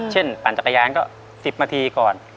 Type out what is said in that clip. เช่นปั่นจักรยานก็๑๐มันตีก่อน